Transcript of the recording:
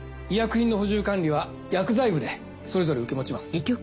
医薬品の補充管理は薬剤部でそれぞれ受け持ちます。